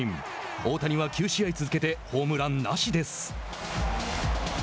大谷は９試合続けてホームランなしです。